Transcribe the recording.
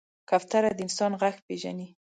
کوتره د انسان غږ پېژني.